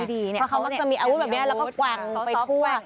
เพราะเขามักจะมีอาวุธแบบนี้แล้วก็แกว่งไปทั่ว